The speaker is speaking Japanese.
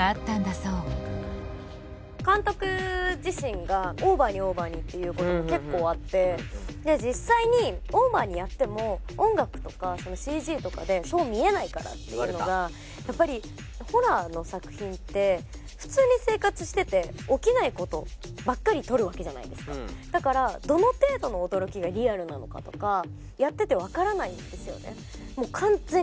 そう監督自身がオーバーにオーバーにって言うことが結構あってで実際にオーバーにやっても音楽とかＣＧとかでそう見えないからっていうのがやっぱりホラーの作品ってだからどの程度の驚きがリアルなのかとかやってて分からないんですよね